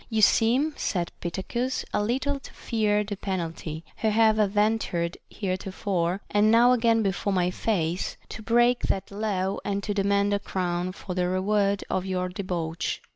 You seem, said Pittacus, a little to fear the pen alty, who have adventured heretofore, and now again before my face, to break that law and to demand a crown for the reward of your debauch.